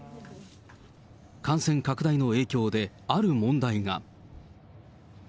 感染拡大の影響で、ある問題が。